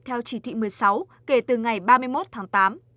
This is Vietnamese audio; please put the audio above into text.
theo chỉ thị một mươi sáu kể từ ngày ba mươi một tháng tám